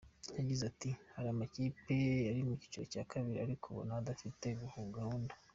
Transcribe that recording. Yagize ati “Hari amakipe ari mu cyiciro cya kabiri ariko ubona adafite gahunda.